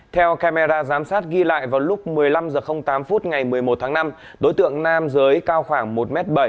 theo camera giám sát ghi lại vào lúc một mươi năm h tám ngày một mươi một tháng năm đối tượng nam giới cao khoảng một m bảy